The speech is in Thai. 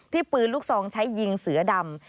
ปืนลูกซองใช้ยิงเสือดำ